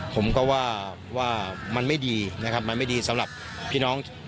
ผมก็ว่ามันไม่ดีนะครับมันไม่ดีสำหรับพี่น้อง